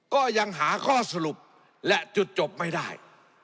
ก็ยังหาข้อสรุปและจุดจบไม่ได้